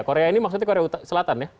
korea ini maksudnya korea selatan ya